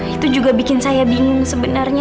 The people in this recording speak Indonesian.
itu juga bikin saya bingung sebenarnya